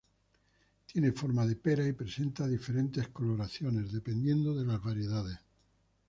Tiene forma de pera y presenta diferentes coloraciones, dependiendo de las variedades.